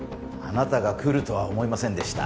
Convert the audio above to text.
あなたが来るとは思いませんでした。